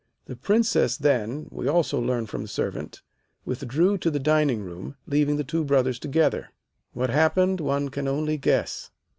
The Princess, then, we also learn from the servant, withdrew to the dining room, leaving the brothers together. What happened one can only guess.